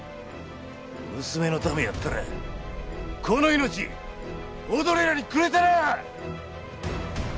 娘のためやったらこの命おどれらにくれたらぁ！